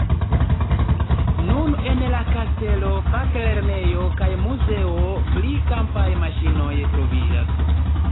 Nun en la kastelo faklernejo kaj muzeo pri kampaj maŝinoj troviĝas.